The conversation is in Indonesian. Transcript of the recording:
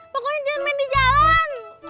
pokoknya jangan main di jalan